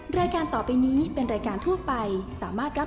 สวัสดีค่ะพบกับรายการขับข้าวแม่ครับ